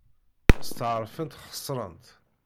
Steɛṛfent xeṣrent.